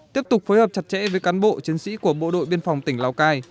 tiếp tục phối hợp chặt chẽ với cán bộ chiến sĩ của bộ đội biên phòng tỉnh lào cai